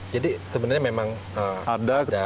jadi sebenarnya memang ada denda itu